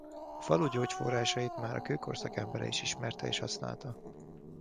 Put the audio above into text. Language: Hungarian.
A falu gyógyforrásait már a kőkorszak embere is ismerte és használta.